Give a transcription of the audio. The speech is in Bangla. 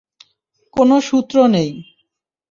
কোনো সূত্র নেই।